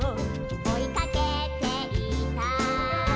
「追いかけていた」